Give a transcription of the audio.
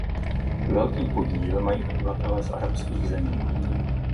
Velký podíl mají obyvatelé z arabských zemí.